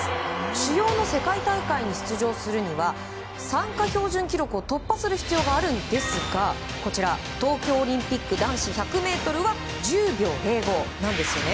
主要の世界大会に出場するには参加標準記録を突破する必要があるんですがこちら、東京オリンピック男子１００ｍは１０秒０５なんですよね。